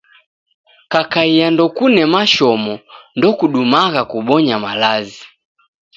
Kakai ndokune mashomo, ndokudumagha kubonya malazi.